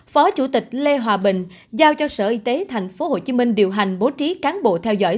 phó chủ tịch lê hòa bình giao cho sở y tế tp hcm điều hành bố trí cán bộ theo dõi